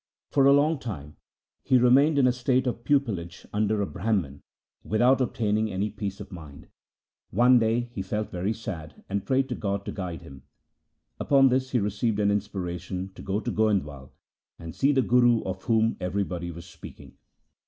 For a long time he remained in a state of pupilage under a Brahman, without obtaining 86 THE SIKH RELIGION any peace of mind. One day he felt very sad and prayed to God to guide him. Upon this he received an inspiration to go to Goindwal and see the Guru of whom everybody was speaking.